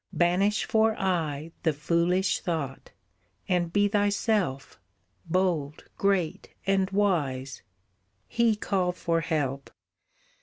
Banish for aye, the foolish thought, And be thyself, bold, great, and wise. "He call for help!